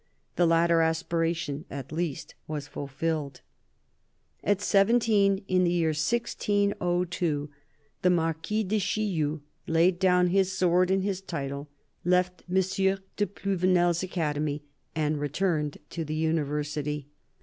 The latter aspiration, at least, was fulfilled. At seventeen, in the year 1602, the Marquis du Chillou laid down his sword and his title, left M. de Pluvinel's Academy and returned to the University.